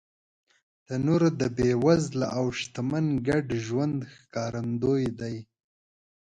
تنور د بېوزله او شتمن ګډ ژوند ښکارندوی دی